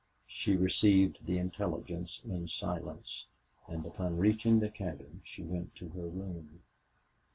She received the intelligence in silence, and upon reaching the cabin she went to her room.